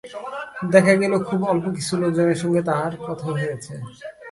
দেখা গেল, খুব অল্পকিছু লোকজনের সঙ্গে তার কথা হয়েছে।